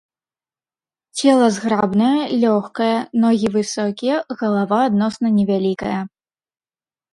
Цела зграбнае, лёгкае, ногі высокія, галава адносна невялікая.